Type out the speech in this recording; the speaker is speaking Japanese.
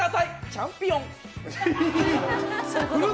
チャンピオン！